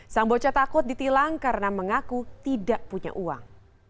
sang bocah takut ditilang karena mengaku tidak punya uang